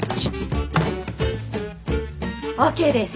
ＯＫです。